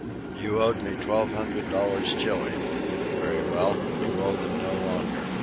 You owed me twelve hundred dollars Chili. Very well; you owe them no longer.